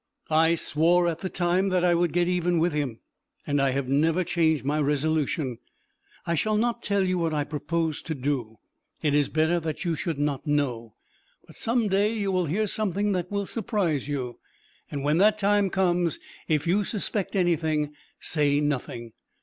I swore at the time that I would get even with him, and I have never changed my resolution. I shall not tell you what I propose to do. It is better that you should not know. But some day you will hear something that will surprise you. When that time comes, if you suspect anything, say nothing.